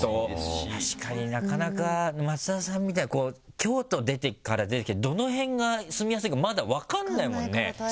確かになかなか松田さんみたいに京都から出てきてどの辺が住みやすいかまだ分かんないもんね。